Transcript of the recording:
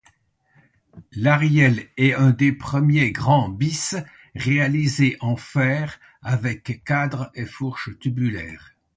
L'Ariel est un des premiers grand-bis réalisés en fer avec cadre et fourche tubulaire.